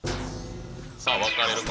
さあ、分かれるか。